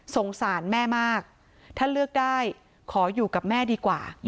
สารแม่มากถ้าเลือกได้ขออยู่กับแม่ดีกว่า